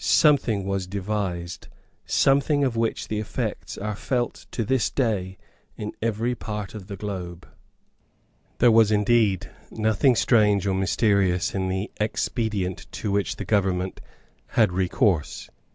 Something was devised, something of which the effects are felt to this day in every part of the globe. There was indeed nothing strange or mysterious in the expedient to which the government had recourse.